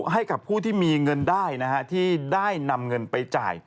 ให้กับผู้ที่มีเงินได้นะฮะที่ได้นำเงินไปจ่าย